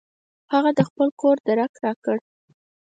هغه د خپل کور درک راکړ.